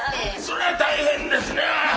そりゃ大変ですねえ。